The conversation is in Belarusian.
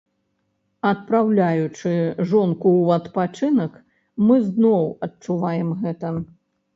Адпраўляючы жонку ў адпачынак, мы зноў адчуваем гэта.